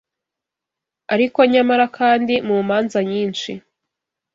Ariko nyamara kandi, mu manza nyinshi